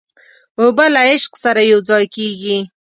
اوبه له عشق سره یوځای کېږي.